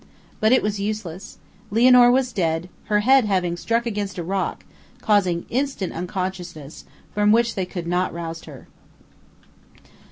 But it was useless; Lianor was dead; her head having struck against a rock, caused instant unconsciousness, from which they could not rouse her.